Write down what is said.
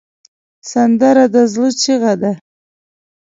سندره د زړه چیغه ده